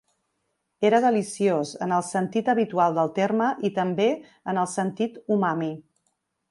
Era deliciós, en el sentit habitual del terme i, també, en el sentit umami.